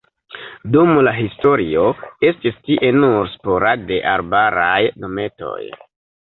Dum la historio estis tie nur sporade arbaraj dometoj.